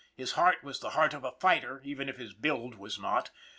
His heart was the heart of a fighter, even if his build was not.